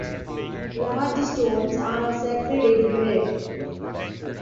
Large stones are scattered elsewhere.